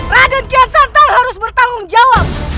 raden kian santal harus bertanggung jawab